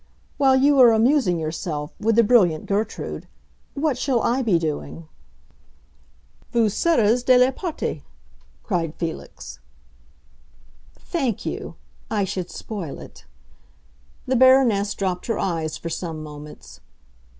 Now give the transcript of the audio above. While you are amusing yourself—with the brilliant Gertrude—what shall I be doing?" "Vous serez de la partie!" cried Felix. "Thank you: I should spoil it." The Baroness dropped her eyes for some moments.